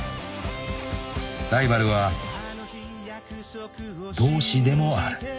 ［ライバルは同志でもある］